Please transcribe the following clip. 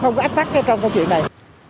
không có ách đắc trong câu chuyện này